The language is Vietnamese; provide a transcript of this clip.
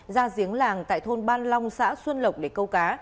ra giếng làng tại thôn ban long xã xuân lộc để câu cá